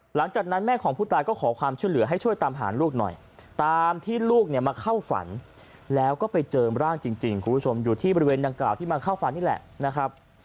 หลังจากนั้นแม่ของผู้ตายก็ขอความช่วยเหลือให้ช่วยตามหาลูกหน่อยตามที่ลูกเนี่ยมาเข้าฝันแล้วก็ไปเจอร่างจริงคุณผู้ชมอยู่ที่บริเวณดังกล่าวที่มาเข้าฝันนี่แหละนะครับ